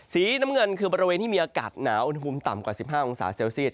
สีน้ำเงินคือบริเวณที่มีอากาศหนาวอุณหภูมิต่ำกว่า๑๕องศาเซลเซียต